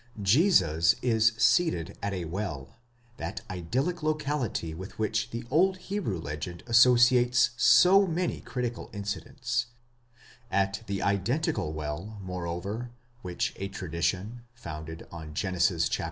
Jesus is seated at a well,—that idyllic locality with which the old Hebrew legend associates so many critical incidents; at the identical well, moreover, which a tradition, founded on Gen. xxxiii.